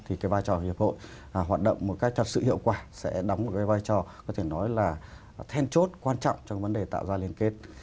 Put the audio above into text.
thì cái vai trò hiệp hội hoạt động một cách thật sự hiệu quả sẽ đóng một cái vai trò có thể nói là then chốt quan trọng trong vấn đề tạo ra liên kết